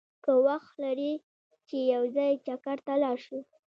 که وخت لرې چې یو ځای چکر ته لاړ شو!